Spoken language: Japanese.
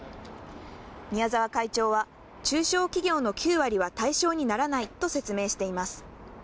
宮沢会長は、中小企業の９割は対象にならないと説明しています。